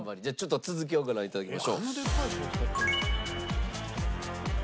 じゃあちょっと続きをご覧いただきましょう。